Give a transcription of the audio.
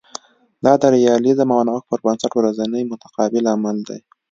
دا د ریالیزم او نوښت پر بنسټ ورځنی متقابل عمل دی